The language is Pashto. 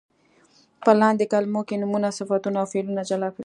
په لاندې کلمو کې نومونه، صفتونه او فعلونه جلا کړئ.